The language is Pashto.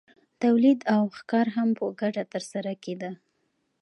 تولید او ښکار هم په ګډه ترسره کیده.